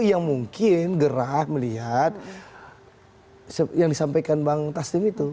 yang mungkin gerah melihat yang disampaikan bang taslim itu